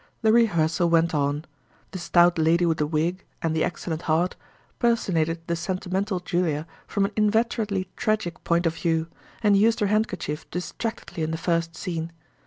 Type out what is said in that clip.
The rehearsal went on. The stout lady with the wig (and the excellent heart) personated the sentimental Julia from an inveterately tragic point of view, and used her handkerchief distractedly in the first scene.